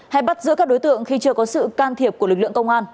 hay bắt giữ các đối tượng khi chưa có sự can thiệp của lực lượng công an